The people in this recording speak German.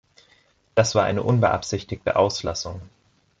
Das war eine unbeabsichtigte Auslassung.